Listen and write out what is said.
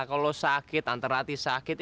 kalau sakit antar hati sakit